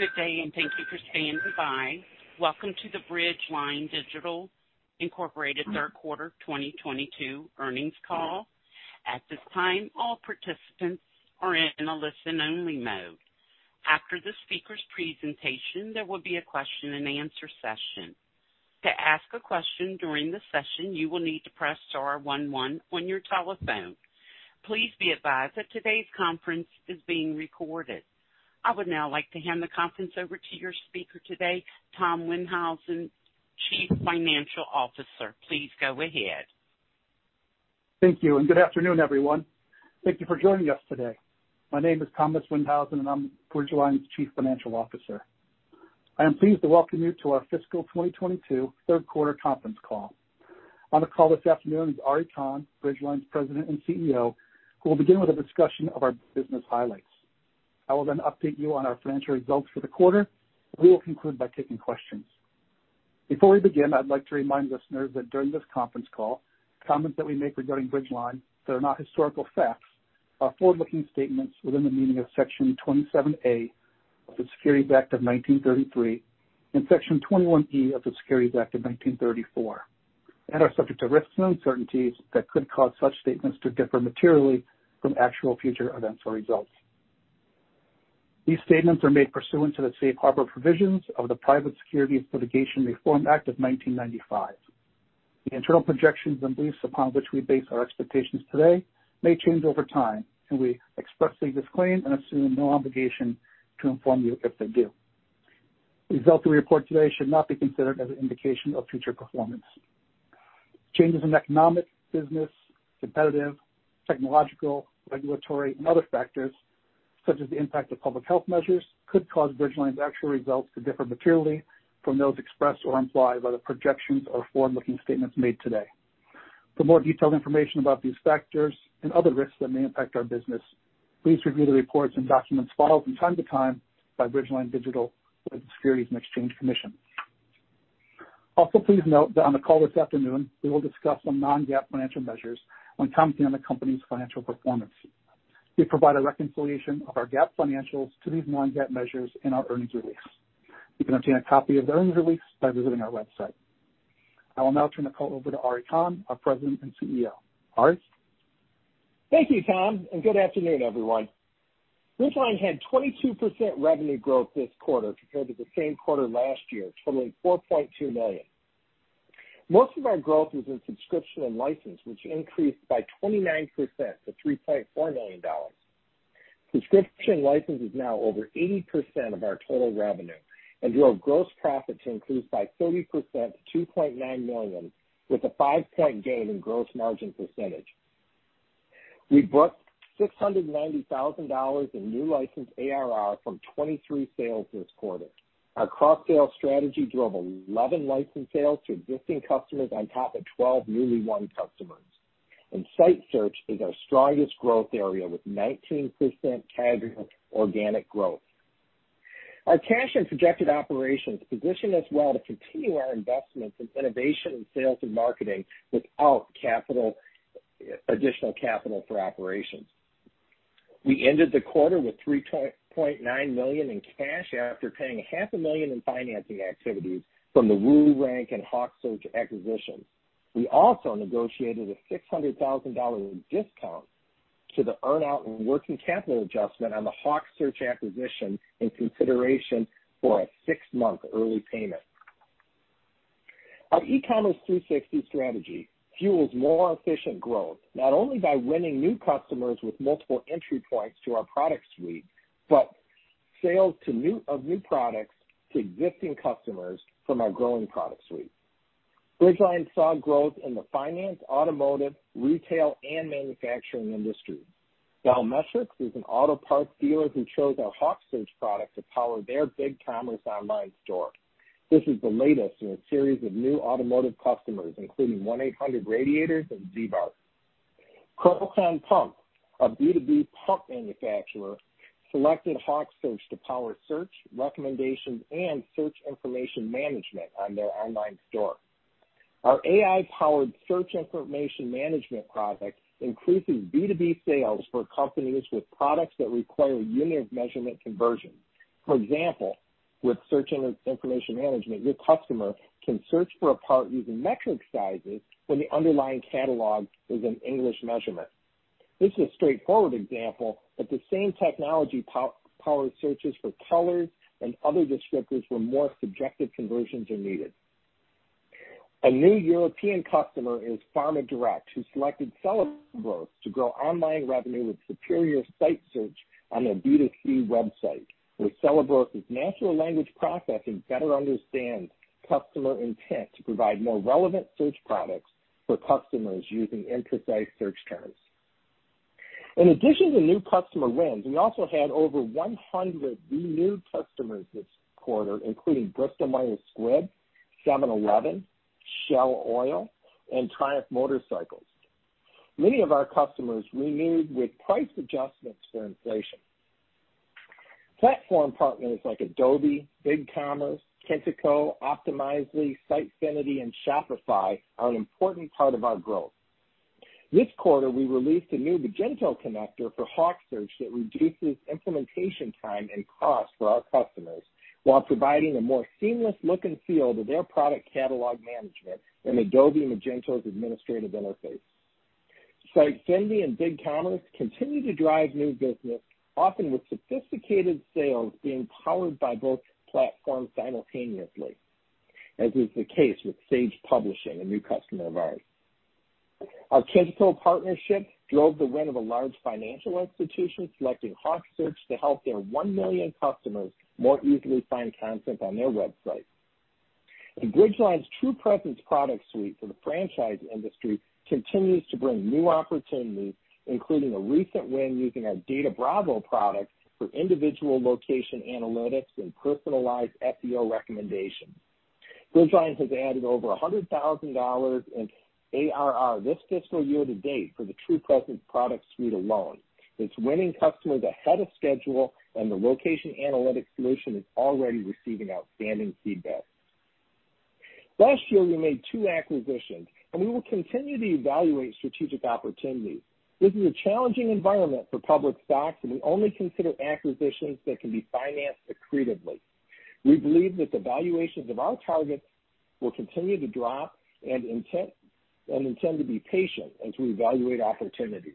Good day, and thank you for standing by. Welcome to the Bridgeline Digital, Inc. Q3 2022 Earnings Call. At this time, all participants are in a listen-only mode. After the speaker's presentation, there will be a question-and-answer session. To ask a question during the session, you will need to press star one one on your telephone. Please be advised that today's conference is being recorded. I would now like to hand the conference over to your speaker today, Tom Windhausen, Chief Financial Officer. Please go ahead. Thank you and good afternoon, everyone. Thank you for joining us today. My name is Tom Windhausen, and I'm Bridgeline's Chief Financial Officer. I am pleased to welcome you to our fiscal 2022 Q3 conference call. On the call this afternoon is Ari Kahn, Bridgeline's President and CEO, who will begin with a discussion of our business highlights. I will then update you on our financial results for the quarter. We will conclude by taking questions. Before we begin, I'd like to remind listeners that during this conference call, comments that we make regarding Bridgeline Digital that are not historical facts are forward-looking statements within the meaning of Section 27A of the Securities Act of 1933 and Section 21E of the Securities Exchange Act of 1934, and are subject to risks and uncertainties that could cause such statements to differ materially from actual future events or results. These statements are made pursuant to the Safe Harbor provisions of the Private Securities Litigation Reform Act of 1995. The internal projections and beliefs upon which we base our expectations today may change over time, and we expressly disclaim and assume no obligation to inform you if they do. Results we report today should not be considered as an indication of future performance. Changes in economic, business, competitive, technological, regulatory, and other factors, such as the impact of public health measures, could cause Bridgeline's actual results to differ materially from those expressed or implied by the projections or forward-looking statements made today. For more detailed information about these factors and other risks that may impact our business, please review the reports and documents filed from time to time by Bridgeline Digital with the Securities and Exchange Commission. Also, please note that on the call this afternoon, we will discuss some non-GAAP financial measures when commenting on the company's financial performance. We provide a reconciliation of our GAAP financials to these non-GAAP measures in our earnings release. You can obtain a copy of the earnings release by visiting our website. I will now turn the call over to Ari Kahn, our President and CEO. Ari? Thank you, Tom, and good afternoon, everyone. Bridgeline Digital had 22% revenue growth this quarter compared to the same quarter last year, totaling $4.2 million. Most of our growth is in subscription and license, which increased by 29% to $3.4 million. Subscription and license is now over 80% of our total revenue and drove gross profit to increase by 30% to $2.9 million with a 5-point gain in gross margin percentage. We booked $690,000 in new license ARR from 23 sales this quarter. Our cross-sale strategy drove 11 license sales to existing customers on top of 12 newly won customers. Site Search is our strongest growth area with 19% CAGR organic growth. Our cash and projected operations position us well to continue our investments in innovation and sales and marketing without additional capital for operations. We ended the quarter with $3.9 million in cash after paying $500,000 in financing activities from the WooRank and acquisitions. We also negotiated a $600,000 discount to the earn-out and working capital adjustment on the HawkSearch acquisition in consideration for a six-month early payment. Our eCommerce 360 strategy fuels more efficient growth, not only by winning new customers with multiple entry points to our product suite, but of new products to existing customers from our growing product suite. Bridgeline saw growth in the finance, automotive, retail, and manufacturing industry. Belmetrics is an auto parts dealer who chose our HawkSearch product to power their BigCommerce online store. This is the latest in a series of new automotive customers, including 1-800 Radiator & A/C and [D-Buck]. Procon Pump, a B2B pump manufacturer, selected HawkSearch to power search, recommendations, and search information management on their online store. Our AI-powered search information management product increases B2B sales for companies with products that require unit measurement conversion. For example, with search information management, your customer can search for a part using metric sizes when the underlying catalog is an English measurement. This is a straightforward example, but the same technology powered searches for colors and other descriptors where more subjective conversions are needed. A new European customer is PharmaDirect, who selected Celebros to grow online revenue with superior site search on their B2C website, where Celebros' natural language processing better understands customer intent to provide more relevant search products for customers using imprecise search terms. In addition to new customer wins, we also had over 100 renewed customers this quarter, including Bristol Myers Squibb, 7-Eleven, Shell, Oreo and, Triumph Motorcycles. Many of our customers renewed with price adjustments for inflation. Platform partners like Adobe, BigCommerce, Kentico, Optimizely, Sitefinity, and Shopify are an important part of our growth. This quarter, we released a new Magento connector for HawkSearch that reduces implementation time and cost for our customers while providing a more seamless look and feel to their product catalog management in Adobe Magento's administrative interface. Sitefinity and BigCommerce continue to drive new business, often with sophisticated sales being powered by both platforms simultaneously, as is the case with Sage Publishing, a new customer of ours. Our Kentico partnership drove the win of a large financial institution selecting HawkSearch to help their 1 million customers more easily find content on their website. Bridgeline's TruePresence product suite for the franchise industry continues to bring new opportunities, including a recent win using our DataBravo product for individual location analytics and personalized SEO recommendations. Bridgeline has added over $100,000 in ARR this fiscal year to date for the TruePresence product suite alone. It's winning customers ahead of schedule, and the location analytics solution is already receiving outstanding feedback. Last year, we made two acquisitions, and we will continue to evaluate strategic opportunities. This is a challenging environment for public stocks, and we only consider acquisitions that can be financed accretively. We believe that the valuations of our targets will continue to drop and intend to be patient as we evaluate opportunities.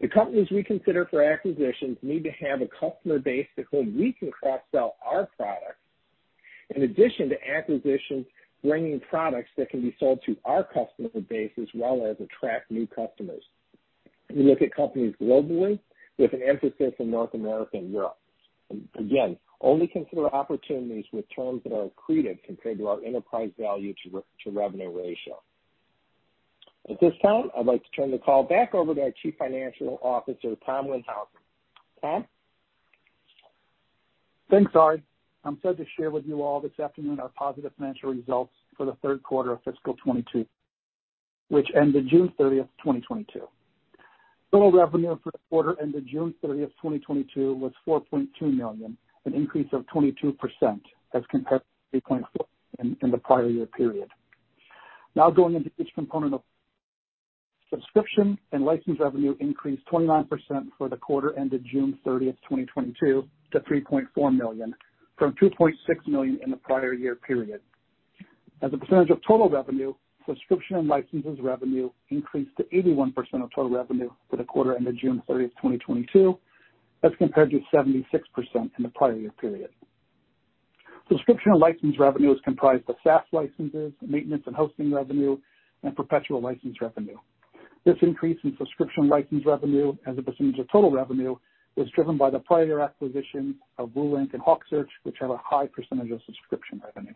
The companies we consider for acquisitions need to have a customer base to whom we can cross-sell our products, in addition to acquisitions bringing products that can be sold to our customer base as well as attract new customers. We look at companies globally with an emphasis in North America and Europe, and again, only consider opportunities with terms that are accretive compared to our enterprise value to revenue ratio. At this time, I'd like to turn the call back over to our Chief Financial Officer, Tom Windhausen. Tom? Thanks, Ari. I'm thrilled to share with you all this afternoon our positive financial results for the Q3 of fiscal 2022, which ended 30 June 2022. Total revenue for the quarter ended 30 June 2022 was $4.2 million, an increase of 22% as compared to $3.4 million in the prior year period. Subscription and license revenue increased 29% for the quarter ended 30 June 2022, to $3.4 million, from $2.6 million in the prior year period. As a percentage of total revenue, subscription and licenses revenue increased to 81% of total revenue for the quarter ended 30 June 2022, as compared to 76% in the prior year period. Subscription and license revenue is comprised of SaaS licenses, maintenance and hosting revenue, and perpetual license revenue. This increase in subscription license revenue as a percentage of total revenue was driven by the prior acquisition of WooRank and HawkSearch, which have a high percentage of subscription revenue.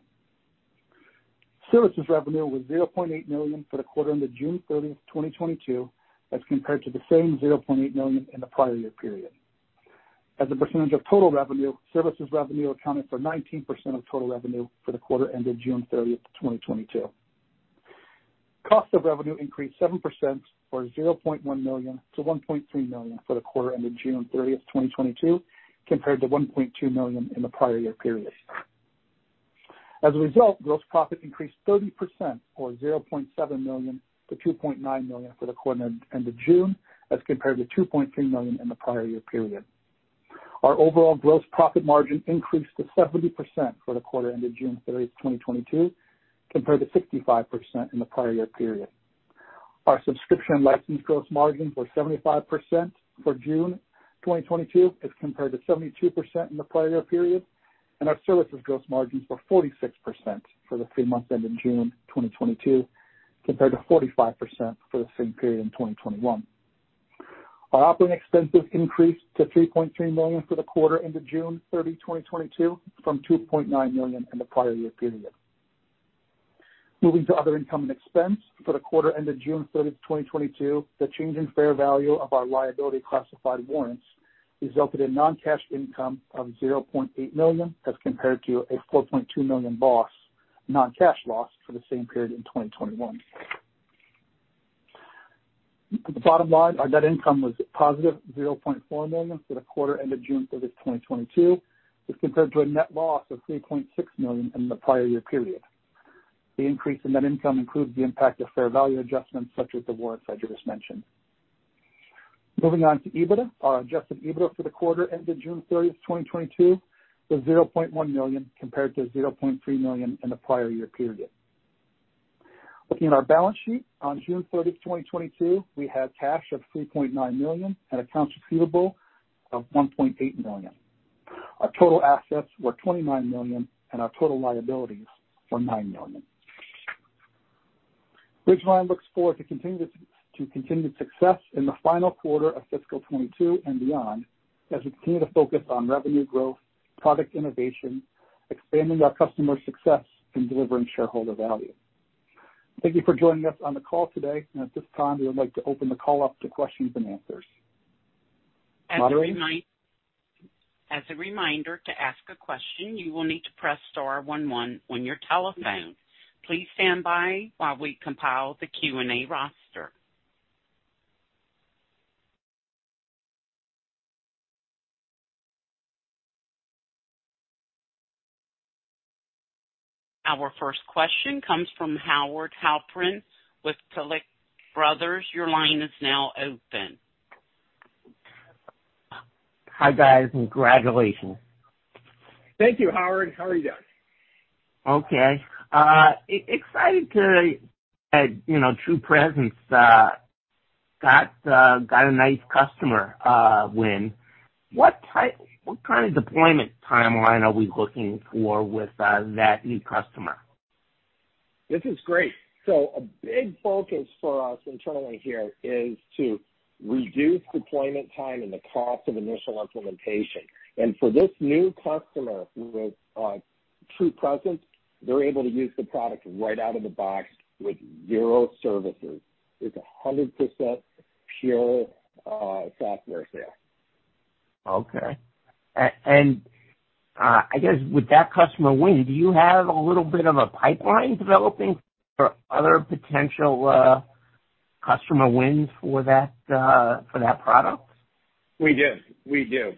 Services revenue was $0.8 million for the quarter ended 30 June 2022, as compared to the same $0.8 million in the prior year period. As a percentage of total revenue, services revenue accounted for 19% of total revenue for the quarter ended 30 June 2022. Cost of revenue increased 7% or $0.1 million to $1.3 million for the quarter ended 30 June 2022, compared to $1.2 million in the prior year period. As a result, gross profit increased 30% or $0.7 million to $2.9 million for the quarter ended June, as compared to $2.3 million in the prior year period. Our overall gross profit margin increased to 70% for the quarter ended 30 June 2022, compared to 65% in the prior year period. Our subscription license gross margin was 75% for June 2022 as compared to 72% in the prior year period, and our services gross margins were 46% for the three months ending June 2022, compared to 45% for the same period in 2021. Our operating expenses increased to $3.3 million for the quarter ended 30 June 2022, from $2.9 million in the prior year period. Moving to other income and expense. For the quarter ended 30 June 2022, the change in fair value of our liability-classified warrants resulted in non-cash income of $0.8 million, as compared to a $4.2 million loss, non-cash loss for the same period in 2021. The bottom line, our net income was positive $0.4 million for the quarter ended 30 June 2022, as compared to a net loss of $3.6 million in the prior year period. The increase in net income includes the impact of fair value adjustments, such as the warrants I just mentioned. Moving on to EBITDA. Our adjusted EBITDA for the quarter ended 30 June 2022, was $0.1 million compared to $0.3 million in the prior year period. Looking at our balance sheet on 30 June 2022, we had cash of $3.9 million and accounts receivable of $1.8 million. Our total assets were $29 million, and our total liabilities were $9 million. Bridgeline looks forward to continued success in the final quarter of fiscal 2022 and beyond, as we continue to focus on revenue growth, product innovation, expanding our customer success, and delivering shareholder value. Thank you for joining us on the call today. At this time, we would like to open the call up to questions and answers. Moderator? As a reminder, to ask a question, you will need to press star one one on your telephone. Please stand by while we compile the Q&A roster. Our first question comes from Howard Halpern with Taglich Brothers. Your line is now open. Hi, guys. Congratulations. Thank you, Howard. How are you doing? Okay. Excited to, you know, TruePresence, got a nice customer win. What kind of deployment timeline are we looking for with that new customer? This is great. A big focus for us internally here is to reduce deployment time and the cost of initial implementation. For this new customer with TruePresence, they're able to use the product right out of the box with zero services. It's 100% pure SaaS. Okay. I guess with that customer win, do you have a little bit of a pipeline developing for other potential customer wins for that product? We do.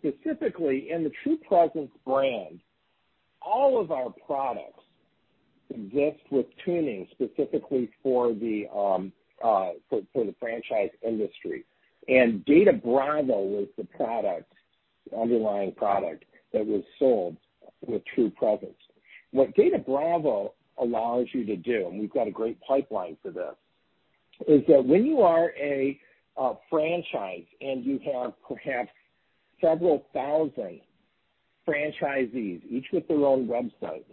Specifically in the TruePresence brand, all of our products exist with tuning specifically for the for the franchise industry. DataBravo was the product, underlying product that was sold with TruePresence. What DataBravo allows you to do, and we've got a great pipeline for this, is that when you are a franchise and you have perhaps several thousand franchisees, each with their own website.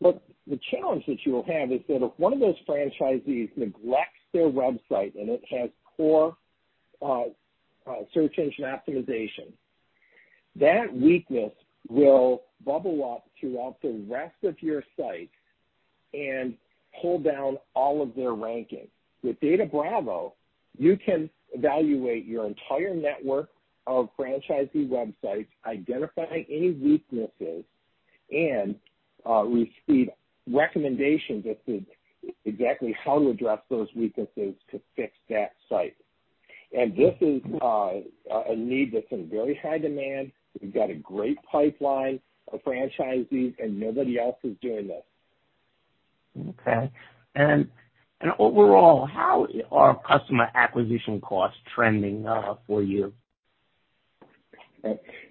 Look, the challenge that you will have is that if one of those franchisees neglects their website and it has poor search engine optimization, that weakness will bubble up throughout the rest of your site and pull down all of their rankings. With DataBravo, you can evaluate your entire network of franchisee websites, identify any weaknesses, and receive recommendations as to exactly how to address those weaknesses to fix that site. This is a need that's in very high demand. We've got a great pipeline of franchisees, and nobody else is doing this. Okay. Overall, how are customer acquisition costs trending, for you?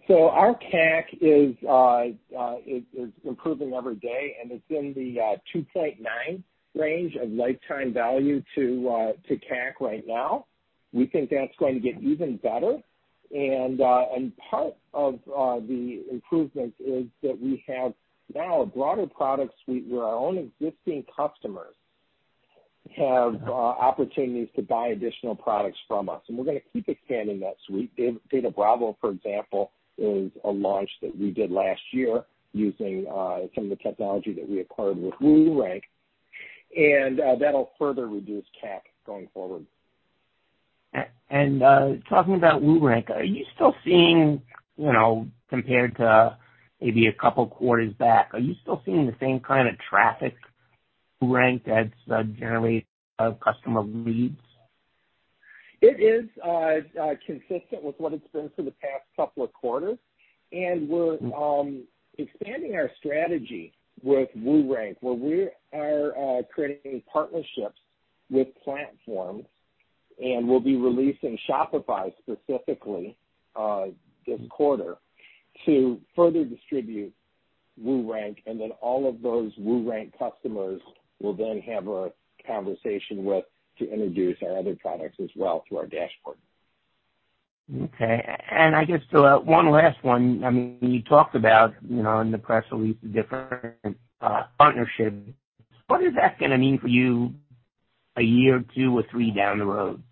Our CAC is improving every day, and it's in the 2.9 range of lifetime value to CAC right now. We think that's going to get even better. Part of the improvement is that we have now a broader product suite where our own existing customers have opportunities to buy additional products from us. We're gonna keep expanding that suite. DataBravo, for example, is a launch that we did last year using some of the technology that we acquired with WooRank, and that'll further reduce CAC going forward. Talking about WooRank, are you still seeing, you know, compared to maybe a couple quarters back, the same kind of traffic rank that generates customer leads? It is consistent with what it's been for the past couple of quarters. We're expanding our strategy with WooRank, where we are creating partnerships with platforms, and we'll be releasing Shopify specifically this quarter to further distribute WooRank. Then all of those WooRank customers will then have a conversation with to introduce our other products as well through our dashboard. Okay. I guess, one last one. I mean, you talked about, you know, in the press release, different, partnerships. What is that gonna mean for you a year, two, or three down the road?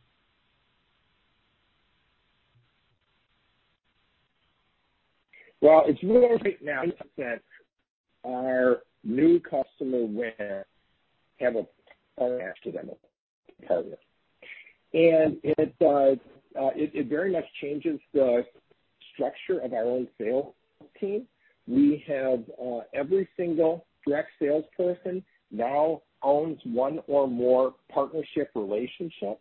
Well, it's more right now that our new customer wins have a partner to them compared with. It very much changes the structure of our own sales team. We have every single direct salesperson now owns one or more partnership relationships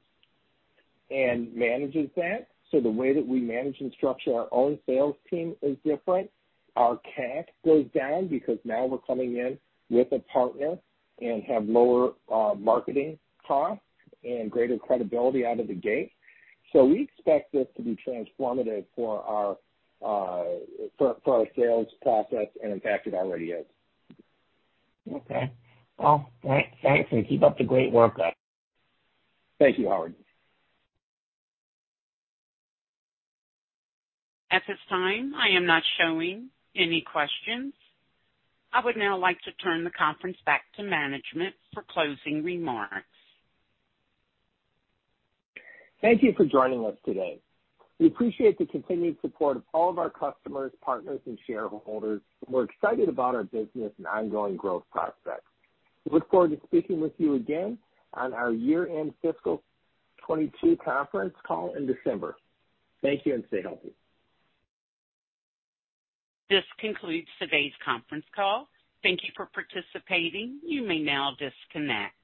and manages that. The way that we manage and structure our own sales team is different. Our CAC goes down because now we're coming in with a partner and have lower marketing costs and greater credibility out of the gate. We expect this to be transformative for our sales process, and in fact, it already is. Okay. Well, thanks, and keep up the great work. Thank you, Howard. At this time, I am not showing any questions. I would now like to turn the conference back to management for closing remarks. Thank you for joining us today. We appreciate the continued support of all of our customers, partners, and shareholders. We're excited about our business and ongoing growth prospects. We look forward to speaking with you again on our year-end fiscal 2022 conference call in December. Thank you, and stay healthy. This concludes today's conference call. Thank you for participating. You may now disconnect.